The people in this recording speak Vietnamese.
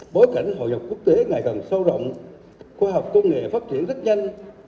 bối cảnh hội nhập quốc tế ngày càng sâu rộng khoa học công nghệ phát triển rất nhanh